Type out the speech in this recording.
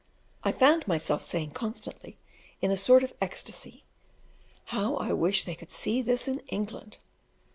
I found myself saying constantly, in a sort of ecstasy, "How I wish they could see this in England!"